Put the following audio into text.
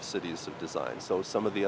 của thành phố phong trào